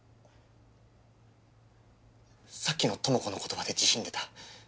さっきのともこの言葉で自信出た。